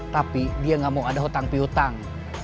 tapi dia gak mau ada hutang pihutang